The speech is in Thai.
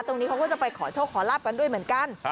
ตรงนี้เขาก็จะไปขอโชคขอลาบกันด้วยเหมือนกัน